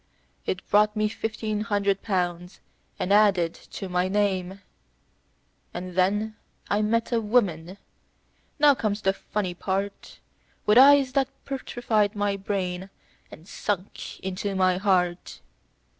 It brought me fifteen hundred pounds and added to my name, And then I met a woman now comes the funny part With eyes that petrified my brain, and sunk into my heart.